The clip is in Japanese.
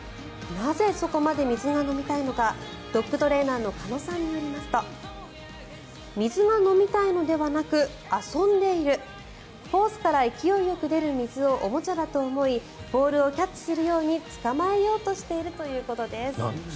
なぜそこまで水が飲みたいのかドッグトレーナーの鹿野さんによりますと水が飲みたいのではなく遊んでいるホースから勢いよく出る水をおもちゃだと思いボールをキャッチするように捕まえようとしているということです。